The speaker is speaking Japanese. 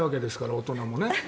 大人もね。